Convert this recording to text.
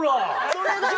それだ！